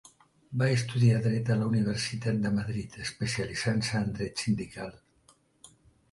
Va estudiar dret a la Universitat de Madrid, especialitzant-se en dret sindical.